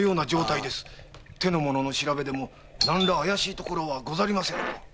手の者の調べでもなんら怪しいところはございませぬが。